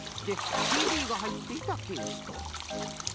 でＣＤがはいっていたケースと。